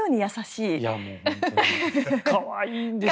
いやもう本当に可愛いんですから。